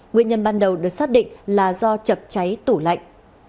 nguyên nhân ban đầu được xác định là do chập cháy tủ lạnh